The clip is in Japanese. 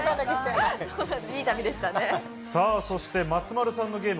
そして松丸さんのゲーム